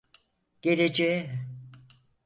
Geleceğe!